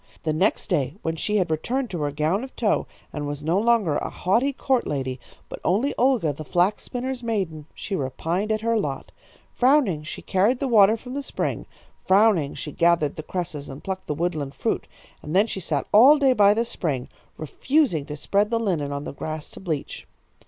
The next day, when she had returned to her gown of tow, and was no longer a haughty court lady, but only Olga, the flax spinner's maiden, she repined at her lot. Frowning she carried the water from the spring. Frowning she gathered the cresses and plucked the woodland fruit. And then she sat all day by the spring, refusing to spread the linen on the grass to bleach.